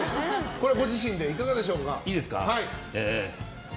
これ、ご自身でいかがでしょうか。